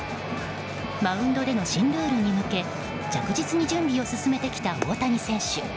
マウンドでの新ルールに向け着実に準備を進めてきた大谷選手。